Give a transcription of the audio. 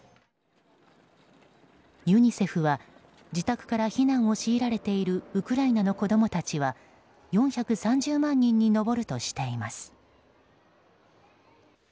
ユニセフは自宅から避難を強いられているウクライナの子供たちは４３０万人に上るとしています。